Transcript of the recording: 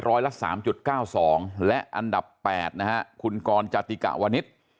ร้อยละ๓๙๒และอันดับ๘นะฮะคุณกรจติกะวนิษฐ์